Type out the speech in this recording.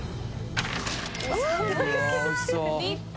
立派！